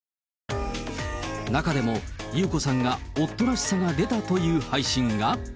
中でも、裕子さんが夫らしさが出たという配信が。